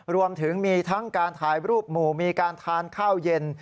รวมถึงมีทั้งการถ่ายรูปหมู่มีการทานข้าวเย็น